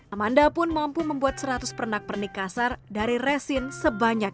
amanda pun mampu membuat seratus pernak pernik kasar dari resin sebanyak